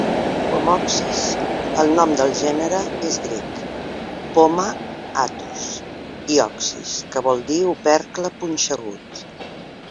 "Pomoxis", el nom del gènere, és grec: "poma, -atos" i "oxys", que vol dir opercle punxegut.